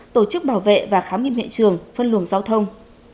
tổ chức bảo vệ và khám nghiệm hiện trường phân luồng giao thông